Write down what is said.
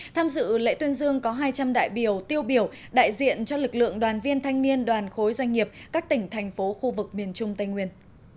tham dự lễ tuyên dương có hai trăm linh đại biểu tiêu biểu đại diện cho lực lượng đoàn viên thanh niên đoàn khối doanh nghiệp các tỉnh thành phố khu vực miền trung tây nguyên